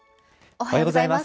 おはようございます。